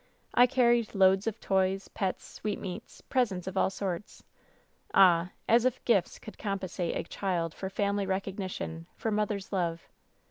It/ "I carried loads of toys, pets, sweetmeats, presents of all sorts — ah ! as if gifts could compensate a child for family recognition, for mother's love.